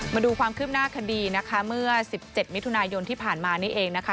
มาดูความคืบหน้าคดีนะคะเมื่อ๑๗มิถุนายนที่ผ่านมานี่เองนะคะ